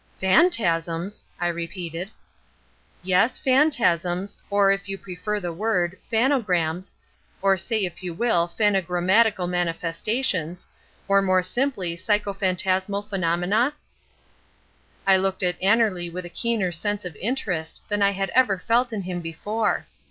"Phantasms?" I repeated. "Yes, phantasms, or if you prefer the word, phanograms, or say if you will phanogrammatical manifestations, or more simply psychophantasmal phenomena?" I looked at Annerly with a keener sense of interest than I had ever felt in him before.